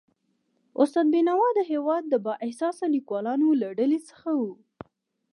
استاد بینوا د هيواد د با احساسه لیکوالانو له ډلې څخه و.